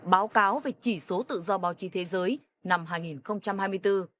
báo cáo về chỉ số tự do báo chí thế giới năm hai nghìn hai mươi bốn